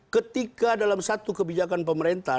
ketika dalam satu kebijakan pemerintah